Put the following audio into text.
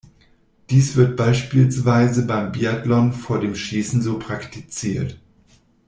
Dies wird beispielsweise beim Biathlon vor dem Schießen so praktiziert.